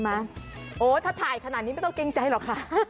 โอ้โหถ้าถ่ายขนาดนี้ไม่ต้องเกรงใจหรอกค่ะ